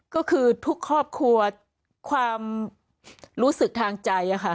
ก็คือทุกครอบครัวความรู้สึกทางใจค่ะ